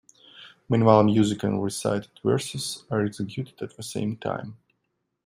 Meanwhile music and recited verses are executed at the same time.